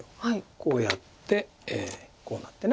こうやってこうなって。